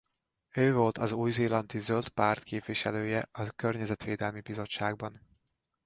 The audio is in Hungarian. Ő volt az új-zélandi Zöld Párt képviselője a Környezetvédelmi Bizottságban.